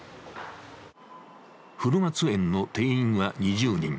古松園の定員は２０人。